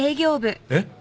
えっ？